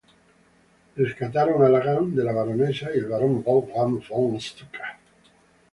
Rescataron a Logan de la baronesa y el barón Wolfgang von Strucker.